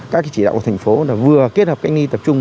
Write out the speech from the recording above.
các chỉ đạo của thành phố là vừa kết hợp cách ly tập trung